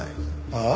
ああ？